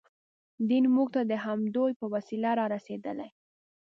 دین موږ ته د همدوی په وسیله رارسېدلی.